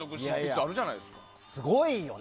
すごいよね。